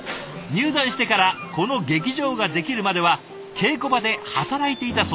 入団してからこの劇場が出来るまでは稽古場で働いていたそうです。